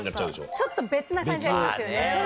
ちょっと別な感じありますよね。